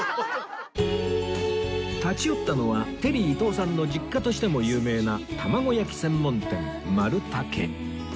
立ち寄ったのはテリー伊藤さんの実家としても有名な玉子焼専門店丸武